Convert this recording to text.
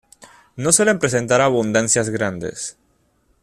No suele presentar abundancias grandes.